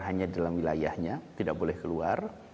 hanya dalam wilayahnya tidak boleh keluar